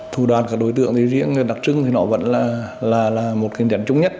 thủ đoàn các đối tượng đi riêng đặc trưng thì nó vẫn là một cái nhấn chung nhất